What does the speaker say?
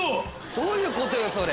どういうことよそれ。